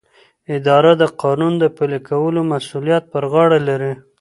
اداره د قانون د پلي کولو مسؤلیت پر غاړه لري.